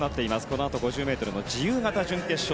このあと５０ｍの自由形準決勝。